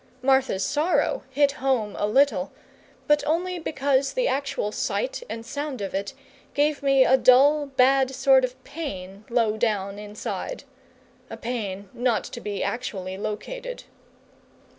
Martha's sorrow hit home a little, but only because the actual sight and sound of it gave me a dull, bad sort of pain low down inside a pain not to be actually located.